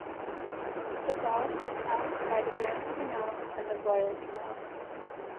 The bog is crossed by the Grand Canal and the Royal Canal.